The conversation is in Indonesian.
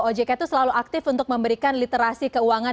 ojk itu selalu aktif untuk memberikan literasi keuangan